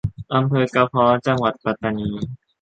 อำเภอกะพ้อ จังหวัดปัตตานี